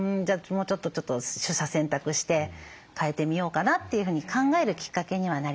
もうちょっと取捨選択して変えてみようかなというふうに考えるきっかけにはなりますね。